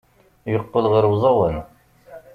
Yeqqel ɣer uẓawan.